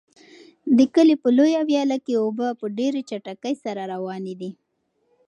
د کلي په لویه ویاله کې اوبه په ډېرې چټکۍ سره روانې دي.